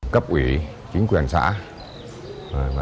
cấp ủy chính quyền xã